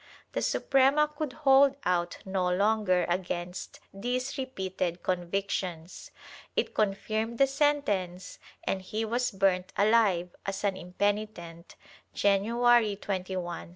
The Suprema could hold out no longer against these repeated convictions; it confirmed the sentence and he was burnt alive as an impenitent, January 21, 1624.